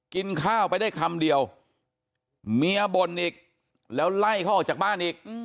กินข้าวไปได้คำเดียวเมียบ่นอีกแล้วไล่เขาออกจากบ้านอีก